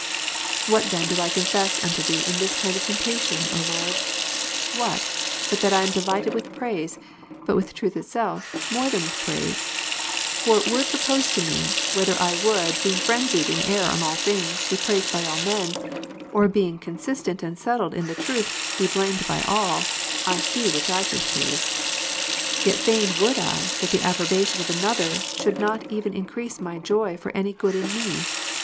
61. What then do I confess unto Thee in this kind of temptation, O Lord ? What, but that I am delighted with praise, but with truth itself, more than with praise ? For were it proposed to me, whether I would, being phrenzied in error on all things, be praised by all men, or being consistent and most settled in the truth be blamed by all, I see which I should choose. Yet fain would I, that the approbation of another should not even increase my joy for any good in me.